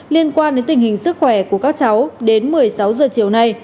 liên quan đến tình hình sức khỏe của các cháu đến một mươi sáu giờ chiều nay